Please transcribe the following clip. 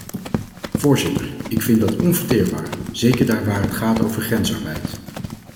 Voorzitter, ik vind dat onverteerbaar, zeker daar waar het gaat over grensarbeid.